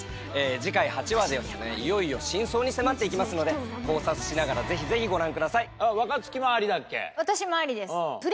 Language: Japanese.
次回８話ではいよいよ真相に迫っていきますので考察しながらぜひぜひご覧ください。